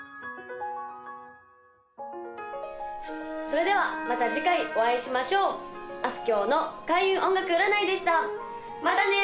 それではまた次回お会いしましょうあすきょうの開運音楽占いでしたまたね！